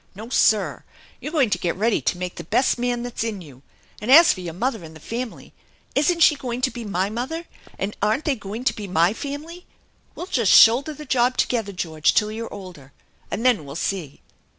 No, sir; you're going to get ready to make the best man that's in you. And as for your mother and the family, isn't she going to be my mother, and aren't they to be my family ? We'll just shoulder the job together, George, till you're older and then we'll see."